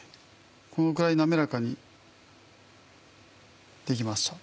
このくらい滑らかにできました。